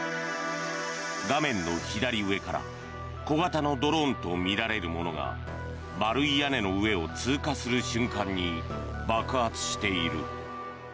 画面の左上から小型のドローンとみられるものが丸い屋根の上を通過する瞬間に爆発している。